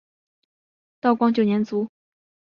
道光九年卒。